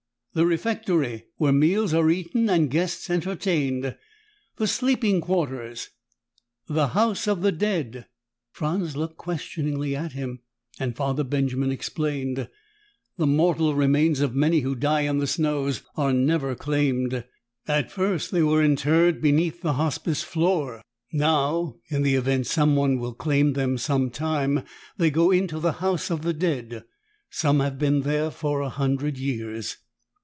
"The refectory, where meals are eaten and guests entertained, the sleeping quarters, the house of the dead " Franz looked questioningly at him and Father Benjamin explained. "The mortal remains of many who die in the snows are never claimed. At first they were interred beneath the Hospice floor. Now, in the event that someone will claim them some time, they go into the house of the dead. Some have been there for a hundred years."